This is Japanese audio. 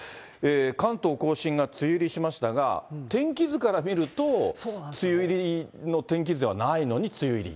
関東甲信が梅雨入りしましたが、天気図から見ると、梅雨入りの天気図ではないのに梅雨入り？